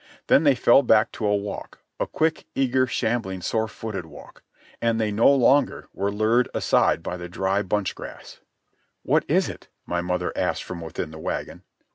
Then they fell back to a walk, a quick, eager, shambling, sore footed walk; and they no longer were lured aside by the dry bunch grass. "What is it?" my mother asked from within the wagon.